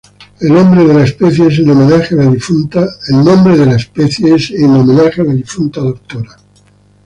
El nombre de la especie es en homenaje a la difunta Dra.